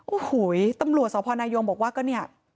โอ้โหตำรวจสพนายงบอกว่าก็เนี่ย